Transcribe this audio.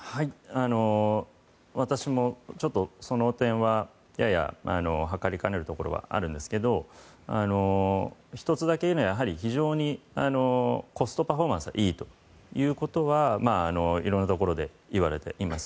私もその点はややはかりかねるところがあるんですが１つだけ言えるのは非常にコストパフォーマンスがいいということはいろいろなところで言われています。